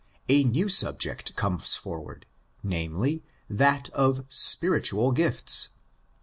a new subject comes forward—namely, that of "spiritual gifts."